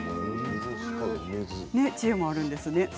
そういう知恵もあるんですね。